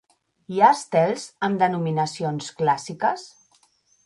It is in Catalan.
Hi ha estels amb denominacions clàssiques?